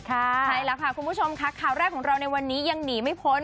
ขออนุญาตค่ะคุณผู้ชมข้ามรายการของเราในค่าวนี้ยังหนีไม่พ้น